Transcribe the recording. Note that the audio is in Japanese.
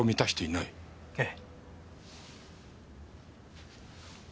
ええ。